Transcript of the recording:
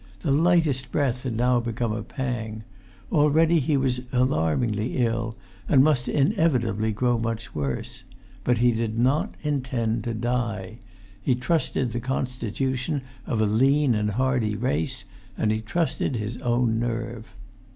The lightest breath had now become a pang. Already he was alarmingly ill, and must inevitably grow[Pg 218] much worse. But he did not intend to die. He trusted the constitution of a lean and hardy race, and he trusted his own nerve.